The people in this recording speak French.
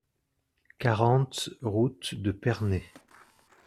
quarante route de Pernay